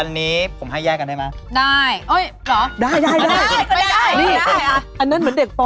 อันนี้ผมให้แยกกันได้ไหมได้นี่ได้อันนั้นเหมือนเด็กป